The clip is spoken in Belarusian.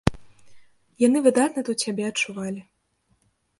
Яны выдатна тут сябе адчувалі.